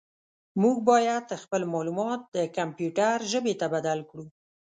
موږ باید خپل معلومات د کمپیوټر ژبې ته بدل کړو.